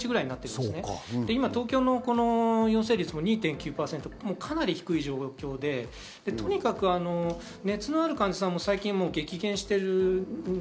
今、東京の陽性率もかなり低い状況で熱のある患者さんも最近は激減している。